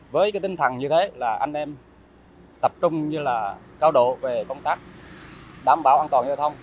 với cái tinh thần như thế là anh em tập trung như là cao độ về công tác đảm bảo an toàn giao thông